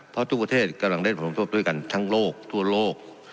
เพราะทุกประเทศกำลังได้ผลโทษด้วยกันทั้งโลกทั่วโลก